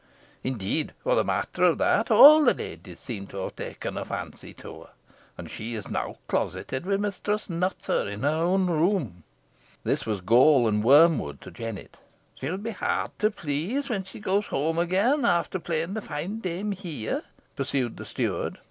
Indeed, for the matter of that, all the ladies seem to have taken a fancy to her, and she is now closeted with Mistress Nutter in her own room." This was gall and wormwood to Jennet. "She'll be hard to please when she goes home again, after playing the fine dame here," pursued the steward.